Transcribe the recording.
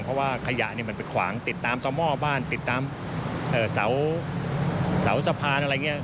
เพราะว่าขยะมันไปขวางติดตามต่อหม้อบ้านติดตามเสาสะพานอะไรอย่างนี้